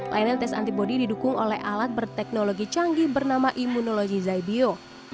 layanan tes antibody didukung oleh alat berteknologi canggih bernama immunologi zybio